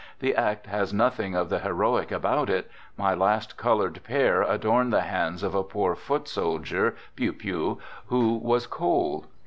The act has nothing of the heroic about it ; my last colored pair adorn the hands of a poor foot soldier [piou piou] who was cold.)